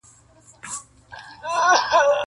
كوم خوشال به لړزوي په كټ كي زړونه،